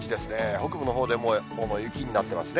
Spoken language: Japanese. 北部のほうも雪になってますね。